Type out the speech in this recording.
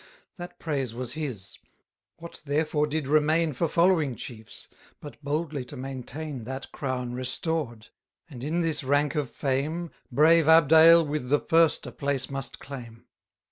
970 That praise was his; what therefore did remain For following chiefs, but boldly to maintain That crown restored? and in this rank of fame, Brave Abdael with the first a place must claim.